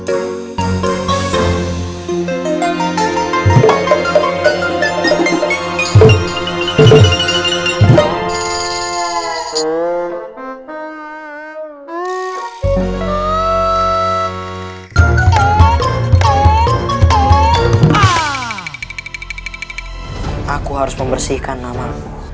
aku harus membersihkan namamu